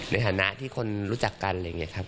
ในฐานะที่คนรู้จักกันอะไรอย่างนี้ครับ